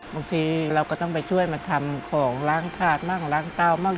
บางทีเราก็ต้องไปช่วยมาทำของล้างถาดมั่งล้างเตามั่ง